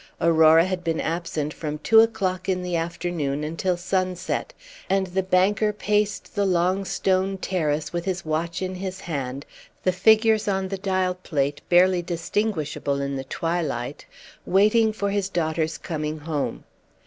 Aurora had been absent from two o'clock in the afternoon until sunset, and the banker paced the long stone terrace with his watch in his hand, the figures on the dial plate barely distinguishable in the twilight, waiting for his daughter's coming home.